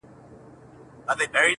یا درویش سي یا سایل سي یاکاروان سي-